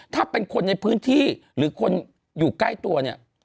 ถ้าเป็นคนในพื้นที่หรือคนอยู่ใกล้ตัวเนี่ย